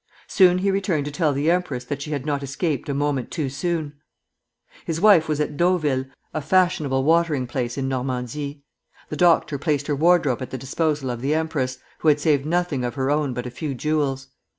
Soon he returned to tell the empress that she had not escaped a moment too soon. [Footnote 1: Temple Bar, 1883.] His wife was at Deauville, a fashionable watering place in Normandy. The doctor placed her wardrobe at the disposal of the empress, who had saved nothing of her own but a few jewels.